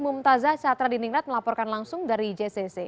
mumtazah syatradiningrat melaporkan langsung dari jcc